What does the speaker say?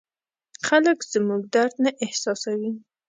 خلک زموږ درد نه احساسوي.